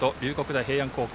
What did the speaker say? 大平安高校。